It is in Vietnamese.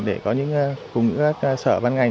để có những sở văn ngành